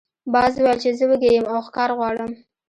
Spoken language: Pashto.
باز وویل چې زه وږی یم او ښکار غواړم.